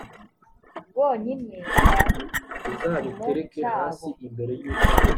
bonyine bari gipimo cyabo